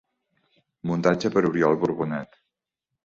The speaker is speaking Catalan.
Muntatge per Oriol Borbonet.